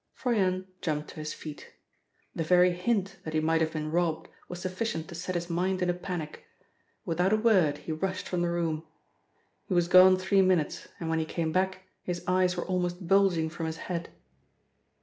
Froyant jumped to his feet. The very hint that he might have been robbed was sufficient to set his mind in a panic. Without a word he rushed from the room. He was gone three minutes and when he came back his eyes were almost bulging from his head.